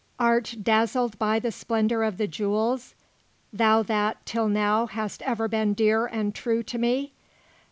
Art dazzled by the splendour of the jewels, thou that, till now, hast ever been dear and true to me?